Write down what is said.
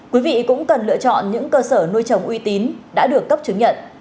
quý vị cũng cần lựa chọn những cơ sở nuôi trồng uy tín đã được cấp chứng nhận